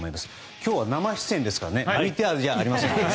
今日は生出演ですからＶＴＲじゃありませんから。